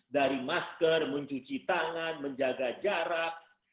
dari masker mencuci tangan menjaga jarak